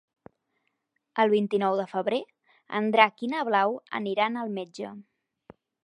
El vint-i-nou de febrer en Drac i na Blau aniran al metge.